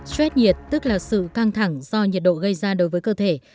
stress nhiệt tức là sự căng thẳng do nhiệt độ gây ra đối với cơ thể